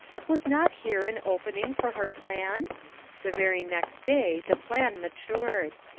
Was not here an opening for her plan? The very next day the plan matured.